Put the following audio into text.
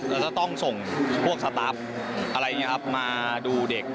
เราจะต้องส่งพวกสตาร์ฟอะไรอย่างนี้ครับมาดูเด็ก